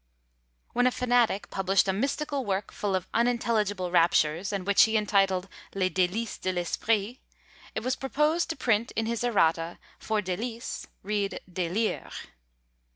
When a fanatic published a mystical work full of unintelligible raptures, and which he entitled Les Délices de l'Esprit, it was proposed to print in his errata, "For Délices read Délires."